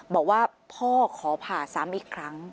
บอกว่าพ่อขอผ่าซ้ำอีกครั้ง